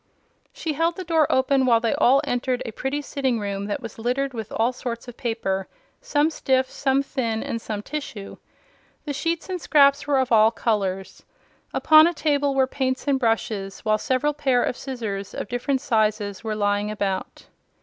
She held the door open while they all entered a pretty sitting room that was littered with all sorts of paper some stiff, some thin, and some tissue. The sheets and scraps were of all colors. Upon a table were paints and brushes, while several pair of scissors, of different sizes, were lying about.